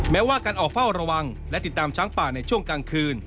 แม้ว่าการออกเฝ้าระวังและติดตามช้างป่าในช่วงกลางคืน